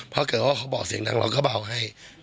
เขาบอกว่าเขาบอกเสียงดังเราก็เบาให้